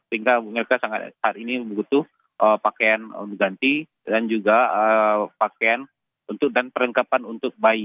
sehingga mereka saat ini membutuhkan pakaian mengganti dan juga pakaian dan perlengkapan untuk bayi